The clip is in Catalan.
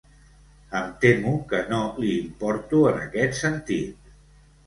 Em temo que no li importo en aquest sentit.